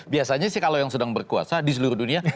biasanya sih kalau yang sedang berkuasa di seluruh dunia